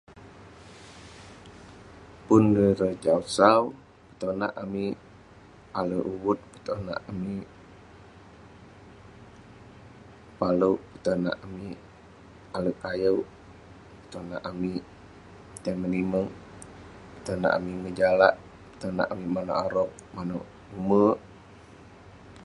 Pun ireh jau sau tonak amik alek uvut, tonak amik paleuk, tonak amik alek kayeuk, tonak amik tai menimeq, tonak amik ngejalak, tonak amik maneuk aroq, maneuk bek.